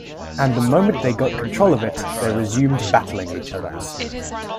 And the moment they got control of it, they resumed battling each other.